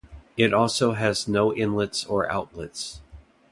It also has no inlets or outlets.